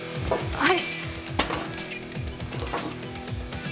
はい。